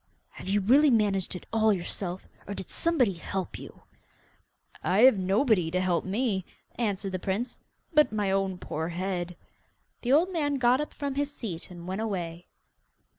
'Have you really managed it all yourself, or did somebody help you?' 'I have nobody to help me,' answered the prince, 'but my own poor head.' The old man got up from his seat and went away.